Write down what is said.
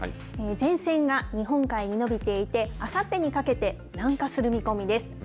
前線が日本海に延びていて、あさってにかけて南下する見込みです。